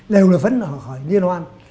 đều là phấn khởi liên hoan